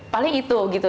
paling itu gitu